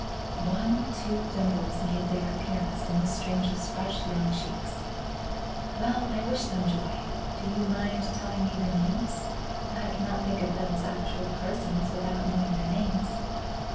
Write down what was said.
One two dimples made their appearance in Miss Strange's fresh, young cheeks. "Well! I wish them joy. Do you mind telling me their names? I cannot think of them as actual persons without knowing their names."